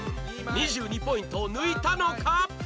２２ポイントを抜いたのか？